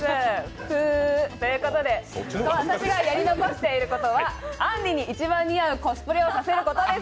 ぷ。ということで、私がやり残していることは、あんりに一番似合うコスプレをさせることです。